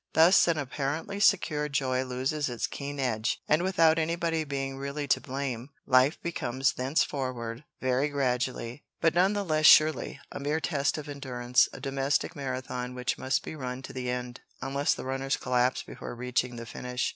Thus an apparently secured joy loses its keen edge, and without anybody being really to blame, life becomes thenceforward, very gradually, but none the less surely, a mere test of endurance a domestic marathon which must be run to the end, unless the runners collapse before reaching the finish."